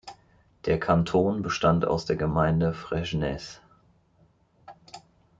Der Kanton bestand aus der Gemeinde Fresnes.